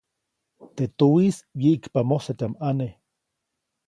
Teʼ tuwiʼis wyiʼkpa mosatyaʼm ʼane.